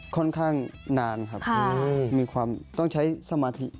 ค่อนข้างนานครับมีความต้องใช้สมาธิ